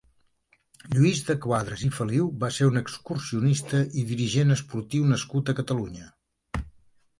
Lluís de Quadras i Feliu va ser un excursionista i dirigent esportiu nascut a Catalunya.